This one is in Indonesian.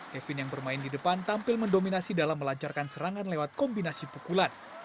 kevin yang bermain di depan tampil mendominasi dalam melancarkan serangan lewat kombinasi pukulan